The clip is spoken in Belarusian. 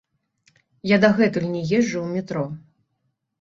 Я дагэтуль не езджу ў метро.